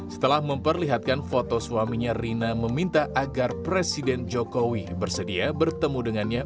setelah memperlihatkan foto suaminya rina meminta agar presiden jokowi bersedia bertemu dengannya